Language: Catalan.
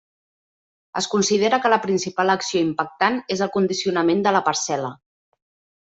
Es considera que la principal acció impactant és el condicionament de la parcel·la.